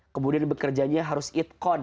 kemudian bekerjanya harus itkon